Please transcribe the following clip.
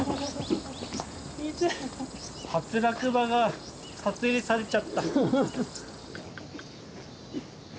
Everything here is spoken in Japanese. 初落馬が撮影されちゃった。